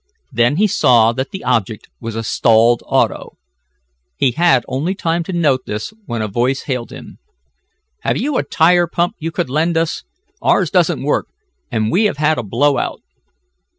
Then he saw that the object was a stalled auto. He had only time to note this when a voice hailed him: "Have you a tire pump you could lend us? Ours doesn't work, and we have had a blowout."